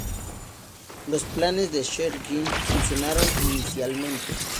Los planes de Schleicher funcionaron inicialmente.